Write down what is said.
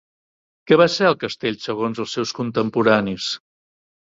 Què va ser el castell segons els seus contemporanis?